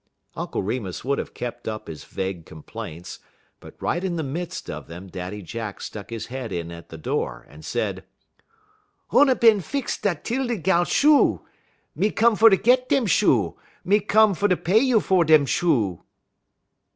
Uncle Remus would have kept up his vague complaints, but right in the midst of them Daddy Jack stuck his head in at the door, and said: "Oona bin fix da' 'Tildy gal shoe. Me come fer git dem shoe; me come fer pay you fer fix dem shoe."